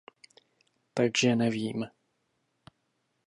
Takže nevím.